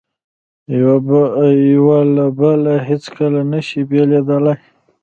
یو له بله هیڅکله نه شي بېلېدای.